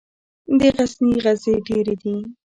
د غزني غزې ډیرې دي